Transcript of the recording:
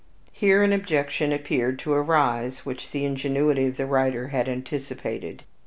Here an objection appeared to arise, which the ingenuity of the writer had anticipated.